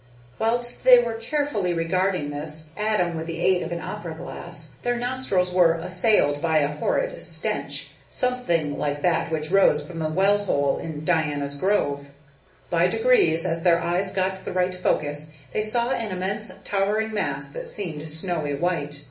Whilst they were carefully regarding this Adam with the aid of an opera glass their nostrils were assailed by a horrid stench, something like that which rose from the well hole in Diana's Grove. By degrees, as their eyes got the right focus, they saw an immense towering mass that seemed snowy white.